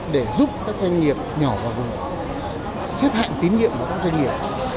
để giúp các doanh nghiệp nhỏ và vừa xếp hạng tín nhiệm của các doanh nghiệp